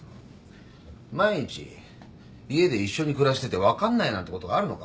毎日家で一緒に暮らしてて分かんないなんてことがあるのか？